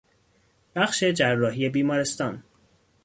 بخش جراحی بیمارستان